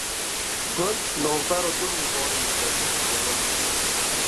Gund navbera du robarên paqij û zelal da ye.